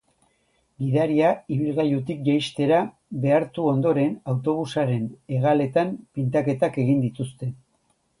Gidaria ibilgailutik jaistera behartu ondoren, autobusaren hegaletan pintaketak egin dituzte.